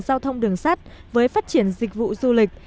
giao thông đường sắt với phát triển dịch vụ du lịch